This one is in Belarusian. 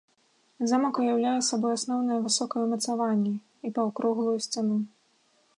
Замак уяўляе сабой асноўнае высокае ўмацаванне, і паўкруглую сцяну.